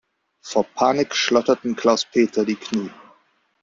Vor Panik schlotterten Klaus-Peter die Knie.